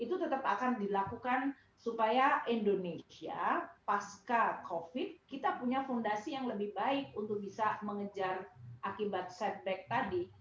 itu tetap akan dilakukan supaya indonesia pasca covid kita punya fondasi yang lebih baik untuk bisa mengejar akibat setback tadi